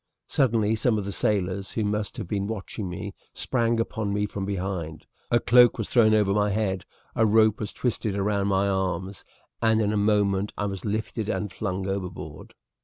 Suddenly some of the sailors, who must have been watching me, sprang upon me from behind, a cloak was thrown over my head, a rope was twisted round my arms, and in a moment I was lifted and flung overboard.